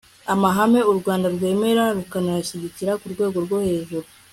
amahame u rwanda rwemera rukanayashyigikira ku rwego rwo hejuru